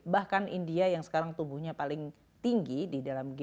bahkan india yang sekarang tumbuhnya paling tinggi di dalam g dua puluh